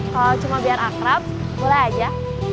kalau cuma biar akrab boleh aja